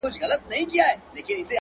• د دوی مخ ته د ملګري کښېناستل وه ,